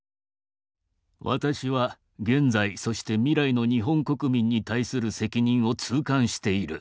私は現在そして未来の日本国民に対する責任を痛感している。